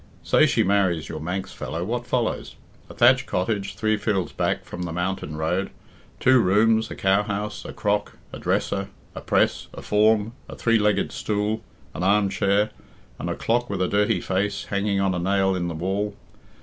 Say she marries your Manx fellow, what follows? A thatched cottage three fields back from the mountain road, two rooms, a cowhouse, a crock, a dresser, a press, a form, a three legged stool, an armchair, and a clock with a dirty face, hanging on a nail in the wall.